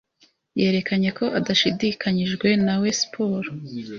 yerekanye ko adashishikajwe nawe siporo.